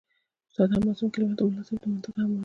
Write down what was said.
ساده او معصوم کلیوال د ملا صاحب دا منطق هم ومنلو.